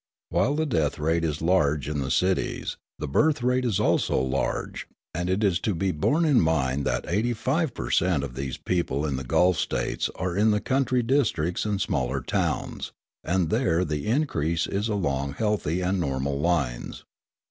While the death rate is large in the cities, the birth rate is also large; and it is to be borne in mind that eighty five per cent. of these people in the Gulf States are in the country districts and smaller towns, and there the increase is along healthy and normal lines.